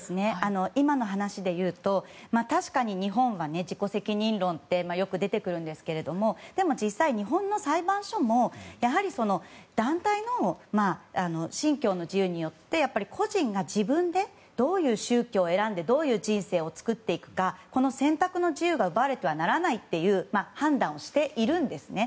今の話でいうと確かに日本は自己責任論ってよく出てくるんですけども実際、日本の裁判所もやはり団体の信教の自由によって個人が自分でどういう宗教を選んでどういう人生を作っていくかこの選択の自由が奪われてはならないという判断をしているんですね。